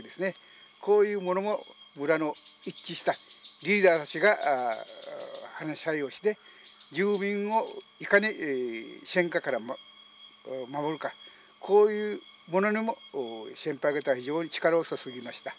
こういうものも村の一致したリーダーたちが話し合いをして住民をいかに戦禍から守るかこういうものにも先輩方は非常に力を注ぎました。